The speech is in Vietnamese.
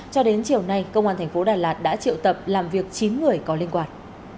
cho đến chiều nay công an thành phố đà lạt đã triệu tập làm việc chín người có liên quan